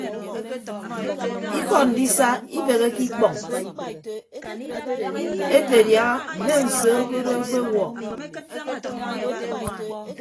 Ikọ ndisa ibeheke ikpọñ ete adiaha mme nsoo ke odo ekpewuọ.